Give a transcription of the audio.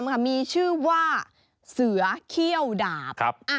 มีชื่อว่าเสือเขี้ยวดาบ